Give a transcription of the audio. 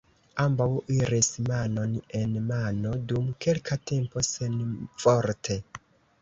Ambaŭ iris manon en mano dum kelka tempo, senvorte.